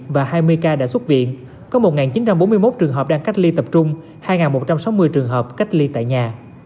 và hai mươi ca đã xuất viện có một chín trăm bốn mươi một trường hợp đang cách ly tập trung hai một trăm sáu mươi trường hợp cách ly tại nhà